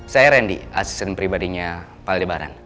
saya randy asisten pribadinya palebaran